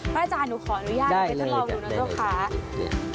ป้าจ้าหนูขออนุญาตหนูถ้าลองดูนะครับ